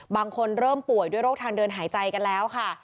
บางคนเริ่มป่วยด้วยโรคทางเดินหายใจกันแล้วค่ะ